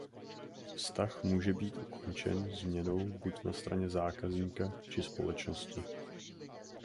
Vztah může být ukončen změnou buď na straně zákazníka či společnosti.